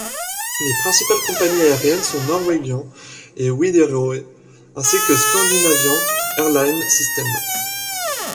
Les principales compagnies aériennes sont Norwegian et Wideroe, ainsi que Scandinavian Airlines System.